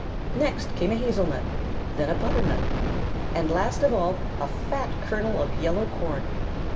Next came a hazelnut, then a butternut, and last of all a fat kernel of yellow corn.